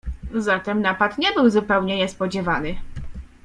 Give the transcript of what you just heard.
"Zatem napad nie był zupełnie niespodziewany."